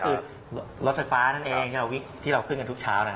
ก็คือรถสะฟ้านั่นเองที่เราขึ้นกันทุกเช้านะครับ